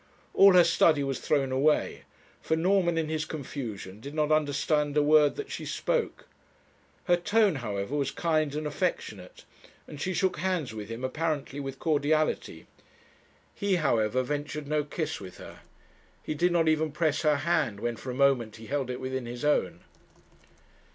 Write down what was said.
All her study was thrown away; for Norman, in his confusion, did not understand a word that she spoke. Her tone, however, was kind and affectionate; and she shook hands with him apparently with cordiality. He, however, ventured no kiss with her. He did not even press her hand, when for a moment he held it within his own.